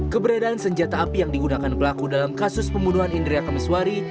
keberadaan senjata api yang digunakan pelaku dalam kasus pembunuhan indria kemiswari